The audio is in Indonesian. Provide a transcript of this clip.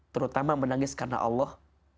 terutama menangis karena allah